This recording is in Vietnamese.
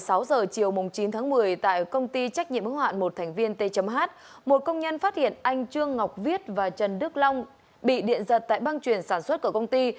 trong khoảng một mươi sáu h chiều chín một mươi tại công ty trách nhiệm hữu hạn một thành viên t h một công nhân phát hiện anh trương ngọc viết và trần đức long bị điện giật tại băng truyền sản xuất của công ty